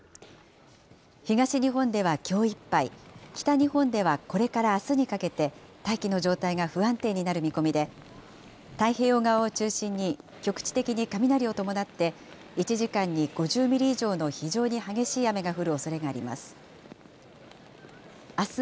東日本ではきょういっぱい、北日本ではこれからあすにかけて、大気の状態が不安定になる見込みで、太平洋側を中心に局地的に雷を伴って、１時間に５０ミリ以上の非常に激しい雨が降るおそれがあります。